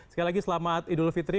sekali lagi selamat idul fitri